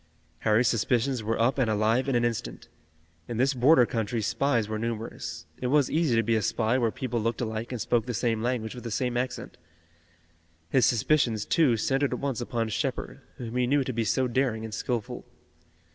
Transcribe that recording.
Harry's suspicions were up and alive in an instant. In this border country spies were numerous. It was easy to be a spy where people looked alike and spoke the same language with the same accent. His suspicions, too, centered at once upon Shepard, whom he knew to be so daring and skillful.